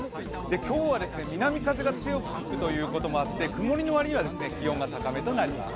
今日は南風が強く吹くこともあって、曇りの割には気温が高めとなります。